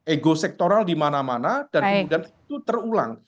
ego sektoral di mana mana dan kemudian itu terulang